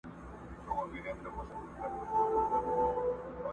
یار نښانه د کندهار راوړې و یې ګورئ